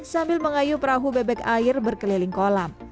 sambil mengayu perahu bebek air berkeliling kolam